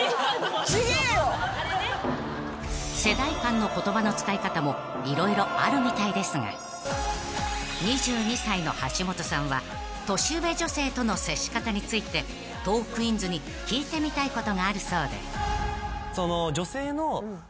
［世代間の言葉の使い方も色々あるみたいですが２２歳の橋本さんは年上女性との接し方についてトークィーンズに聞いてみたいことがあるそうで］